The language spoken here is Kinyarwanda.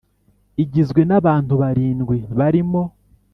Igizwe n abantu barindwi barimo